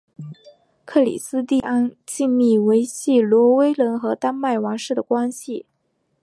克里斯蒂安尽力维系挪威人和丹麦王室的关系。